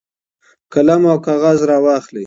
قلم او کاغذ راواخلئ.